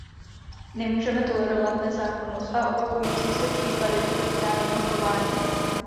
Nemůžeme tolerovat nezákonnost a opakující se případy protiprávního chování.